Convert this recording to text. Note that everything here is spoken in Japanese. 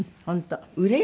うれしい！